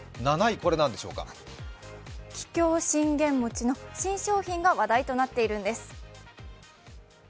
桔梗信玄餅の新商品が話題となっているんです。